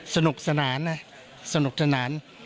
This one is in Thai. สนุกสนานนะสนุกสนาน